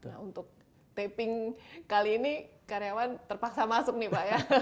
nah untuk taping kali ini karyawan terpaksa masuk nih pak ya